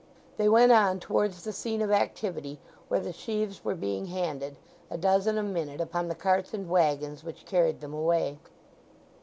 They went on towards the scene of activity, where the sheaves were being handed, a dozen a minute, upon the carts and waggons which carried them away.